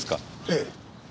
ええ。